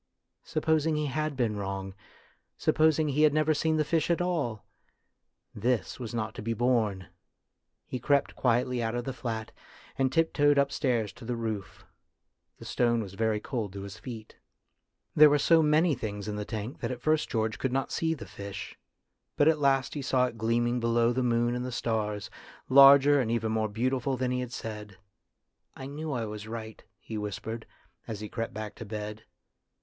Supposing he had been wrong, supposing he had never seen the fish at all ? This was not to be borne. He crept quietly out of the flat, and tiptoed up stairs to the roof. The stone was very cold to his feet. There were so many things in the tank that at first George could not see the fish, but at last he saw it gleaming below the moon and the stars, larger and even more beautiful than 252 FATE AND THE ARTIST he had said. " I knew I was right," he whis pered, as he crept back to bed.